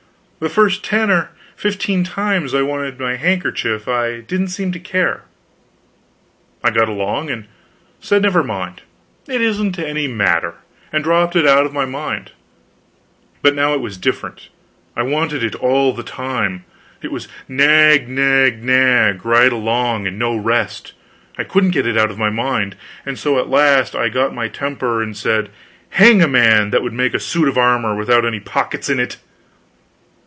The first ten or fifteen times I wanted my handkerchief I didn't seem to care; I got along, and said never mind, it isn't any matter, and dropped it out of my mind. But now it was different; I wanted it all the time; it was nag, nag, nag, right along, and no rest; I couldn't get it out of my mind; and so at last I lost my temper and said hang a man that would make a suit of armor without any pockets in it.